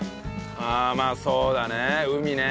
ああまあそうだね海ね。